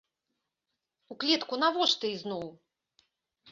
У клетку навошта ізноў?